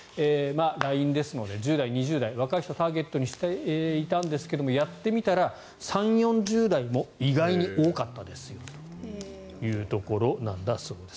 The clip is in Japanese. ＬＩＮＥですので１０代、２０代若い人をターゲットにしていたんですけどやってみたら３０４０代も意外と多かったですよというところなんだそうです。